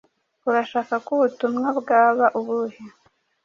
Urashaka ko ubutumwa bwaba ubuhe?